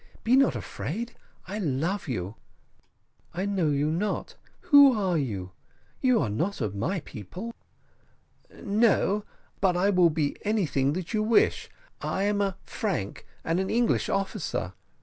Be not afraid I love you." "I know you not; who are you? you are not of my people." "No, but I will be anything that you wish. I am a Frank, and an English officer."